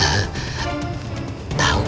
baik aku datang